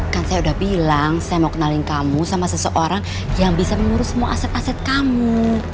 kan saya udah bilang saya mau kenalin kamu sama seseorang yang bisa mengurus semua aset aset kamu